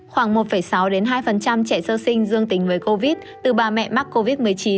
khoảng một sáu hai trẻ sơ sinh dương tình với covid từ bà mẹ mắc covid một mươi chín